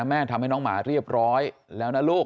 แม่ทำให้น้องหมาเรียบร้อยแล้วนะลูก